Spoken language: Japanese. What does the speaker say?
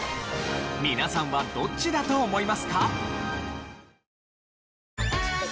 皆さんはどっちだと思いますか？